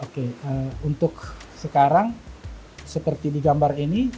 oke untuk sekarang seperti di gambar ini